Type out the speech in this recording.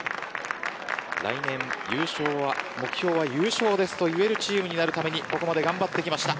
来年、目標は優勝ですと言えるチームになるためにここまで頑張ってきました。